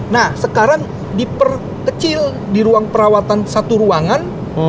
nah sekarang diperkecil di ruang perawatan satu ruangan